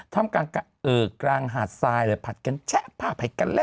ท่ำกลางหาดทรายผัดกันแชะผ้าไผ่กันแล้ว